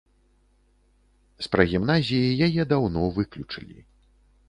З прагімназіі яе даўно выключылі.